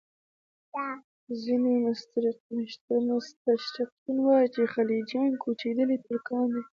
ځینې مستشرقین وایي چې خلجیان کوچېدلي ترکان دي.